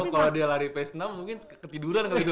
kalo dia lari pace enam mungkin ketiduran kali itu